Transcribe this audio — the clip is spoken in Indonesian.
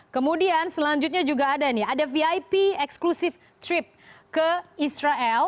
kemudian selanjutnya juga ada nih ada vip exclusive trip ke israel